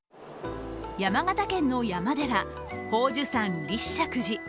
山形県の山寺・宝珠山立石寺。